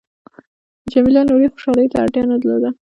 جميله نورې خوشحالۍ ته اړتیا نه درلوده.